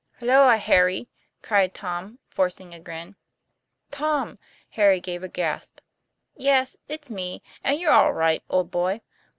" Halloa, Harry," cried Tom, forcing a grin. ' Tom !' Harry gave a gasp. "Yes; it's me; and you're all right, old boy."